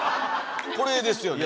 これですよね。